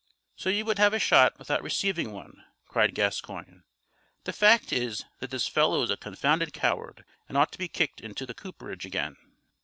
"So you would have a shot without receiving one!" cried Gascoigne. "The fact is that this fellow's a confounded coward, and ought to be kicked into the cooperage again."